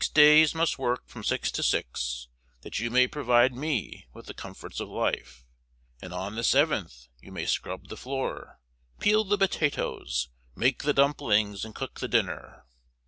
Six days must work from six to six, that you may provide me with the comforts of life, and on the seventh, you may scrub the floor, peel the potatoes, make the dumplings, and cook the dinner.